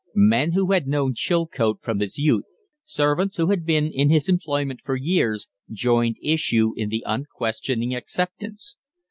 Men who had known Chilcote from his youth, servants who had been in his employment for years, joined issue in the unquestioning acceptance.